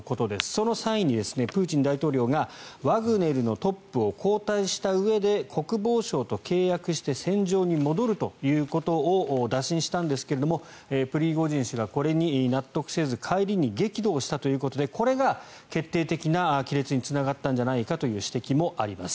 その際にプーチン大統領がワグネルのトップを交代したうえで国防省と契約して戦場に戻るということを打診したんですがプリゴジン氏がこれに納得せず帰りに激怒したということでこれが決定的な亀裂につながったんじゃないかという指摘があります。